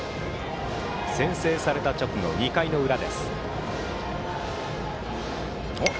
先制された直後、２回の裏。